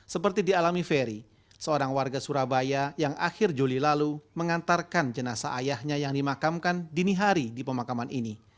seperti dialami ferry seorang warga surabaya yang akhir juli lalu mengantarkan jenazah ayahnya yang dimakamkan dini hari di pemakaman ini